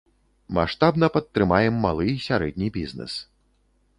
Маштабна падтрымаем малы і сярэдні бізнэс.